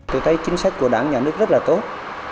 tôi thấy chính sách của đảng nhà nước rất là tốt